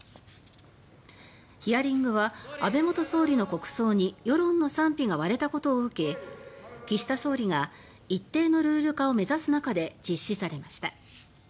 ヒアリングは安倍元総理の国葬に世論の賛否が割れたことを受け岸田総理が一定のルール化を目指す中で実施されました。